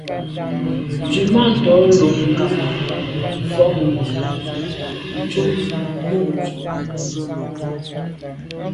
Nzwimàntô lo ghom fotmbwe ntùm mo’ dù’.